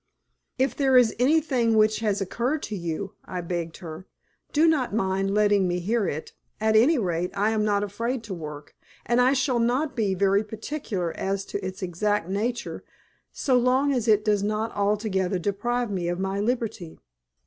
"If there is anything which has occurred to you," I begged her, "do not mind letting me hear it, at any rate. I am not afraid to work, and I shall not be very particular as to its exact nature so long as it does not altogether deprive me of my liberty."